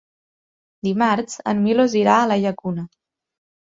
Dimarts en Milos irà a la Llacuna.